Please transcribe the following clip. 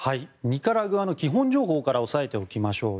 ニカラグアの基本情報から押さえておきましょう。